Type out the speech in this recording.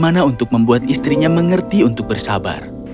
dia mencoba untuk membuat istrinya mengerti untuk bersabar